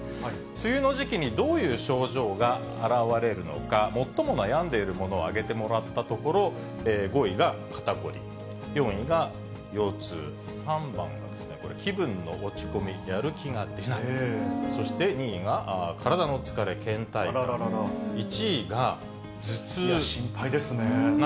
梅雨の時期にどういう症状が表れるのか、最も悩んでいるものを挙げてもらったところ、５位が肩凝り、４位が腰痛、３番が気分の落ち込み・やる気が出ない、そして２位が体の疲れ・けん怠感、心配ですね。